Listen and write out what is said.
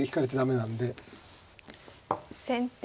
先手